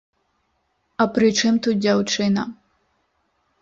А прычым тут дзяўчына?